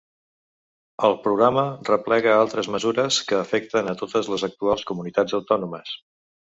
El programa replega altres mesures que afecten a totes les actuals comunitats autònomes.